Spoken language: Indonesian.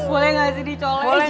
boleh ga sih dicolongin